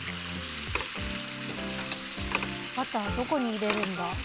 バターはどこに入れるんだ？